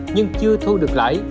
nhưng chưa thu được lãi